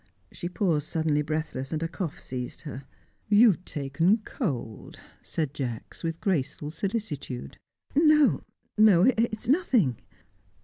She paused, suddenly breathless, and a cough seized her. "You've taken cold," said Jacks, with graceful solicitude. "No, no! It's nothing."